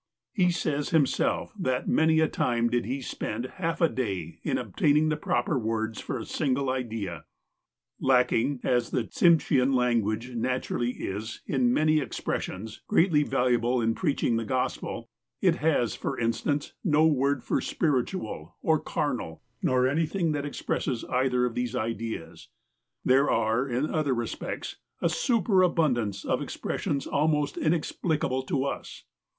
He says himself that many a time did he spend half a day in obtaining the proper words for a single idea. Lacking, as the Tsimshean language naturally is, in many expressions greatly valuable in preaching the Gospel, — (it has, for instance, no word for " spiritual " or "carnal," nor anything that expresses either of these ideas) — there are, in other respects, a superabundance of expressions, almost inexplicable to us.